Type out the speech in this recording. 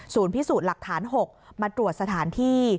พิสูจน์หลักฐาน๖มาตรวจสถานที่